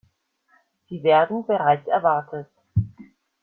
Sie werden bereits erwartet.